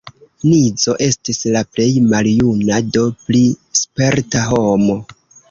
Nizo estis la plej maljuna, do pli sperta homo.